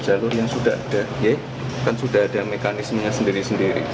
jalur yang sudah ada kan sudah ada mekanismenya sendiri sendiri